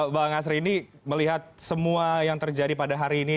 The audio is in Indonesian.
bang asri ini melihat semua yang terjadi pada hari ini